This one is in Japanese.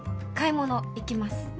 買い物行きます。